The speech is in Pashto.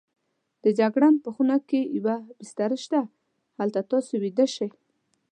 د جګړن په خونه کې یوه بستره شته، هلته تاسې ویده شئ.